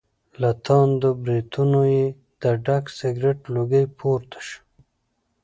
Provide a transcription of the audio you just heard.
له تاندو برېتونو یې د ډک سګرټ لوګی پور ته شو.